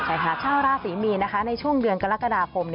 ใช่ค่ะชาวราศรีมีนนะคะในช่วงเดือนกรกฎาคม